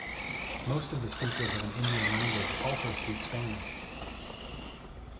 Most of the speakers of an Indian language also speak Spanish.